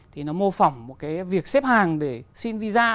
thì nó mô phỏng một cái việc xếp hàng để xin visa